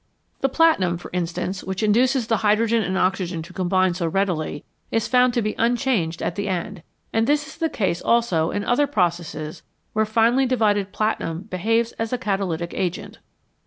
The platinum, for instance, which induces the hydrogen and oxygen to combine so readily, is found to be unchanged at the end, and this is the case also in other processes where finely divided platinum behaves as a catalytic agent.